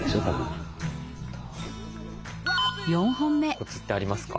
コツってありますか？